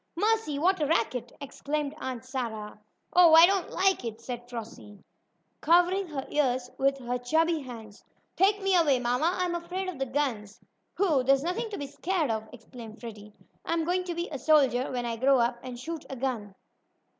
"Mercy! What a racket!" exclaimed Aunt Sarah. "Oh, I don't like it!" cried Flossie, covering her ears with her chubby hands. "Take me away, mamma; I'm afraid of the guns!" "Pooh! There's nothing to be scared of!" exclaimed Freddie. "I'm going to be a soldier when I grow up, and shoot a gun."